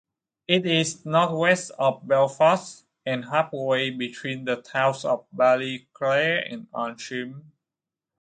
It is northwest of Belfast, and halfway between the towns of Ballyclare and Antrim.